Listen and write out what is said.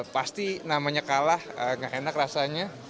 pasti namanya kalah gak enak rasanya